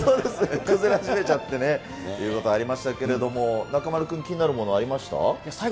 崩れ始めちゃってねということがありましたけど、中丸君、気になるものありました？